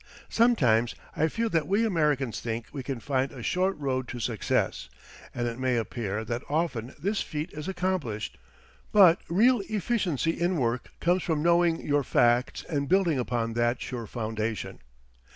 Sometimes I feel that we Americans think we can find a short road to success, and it may appear that often this feat is accomplished; but real efficiency in work comes from knowing your facts and building upon that sure foundation.